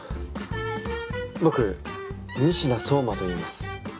僕仁科蒼真といいます。